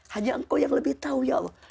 hanya engkau yang lebih tahu ya allah